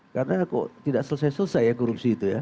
karena kok tidak selesai selesai ya korupsi itu ya